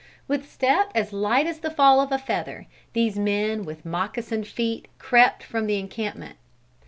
With step as light as the fall of a feather these men with moccasined feet crept from the encampment.